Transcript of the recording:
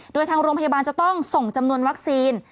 โดยทางโรงพยาบาลจะต้องส่งจำนวนวัคซีน